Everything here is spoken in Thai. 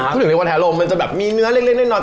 พูดถึงในวันแฮโลมันจะแบบมีเนื้อเล็กน้อย